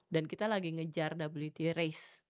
dan kita lagi ngejar wta race